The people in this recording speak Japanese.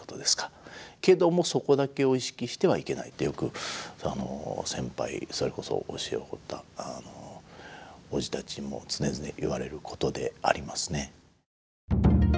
けどもそこだけを意識してはいけないってよく先輩それこそ教えを乞うたおじたちにも常々言われることでありますね。